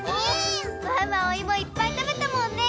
ワンワンおいもいっぱいたべたもんね。